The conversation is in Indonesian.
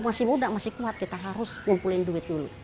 masih muda masih kuat kita harus ngumpulin duit dulu